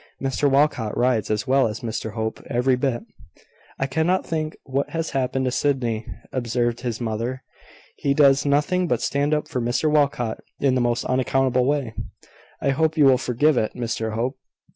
"Mr Walcot rides as well as Mr Hope, every bit." "I cannot think what has happened to Sydney," observed his mother. "He does nothing but stand up for Mr Walcot in the most unaccountable way! I hope you will forgive it, Mr Hope.